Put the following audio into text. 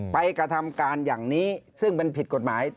กระทำการอย่างนี้ซึ่งมันผิดกฎหมาย